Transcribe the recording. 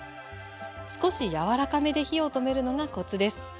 少し柔らかめで火を止めるのがコツです。